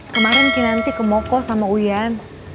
kemarin kinanti kemoko sama uyan